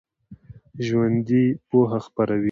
ژوندي پوهه خپروي